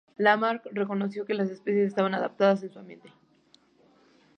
Lamarck reconoció que las especies estaban adaptadas a su ambiente.